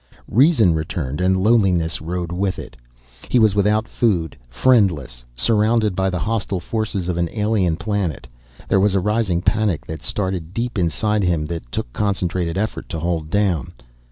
Reason returned and loneliness rode along with it. He was without food, friendless, surrounded by the hostile forces of an alien planet. There was a rising panic that started deep inside of him, that took concentrated effort to hold down.